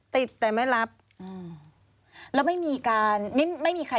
ควิทยาลัยเชียร์สวัสดีครับ